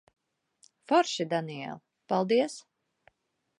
Forši, Daniel. Paldies.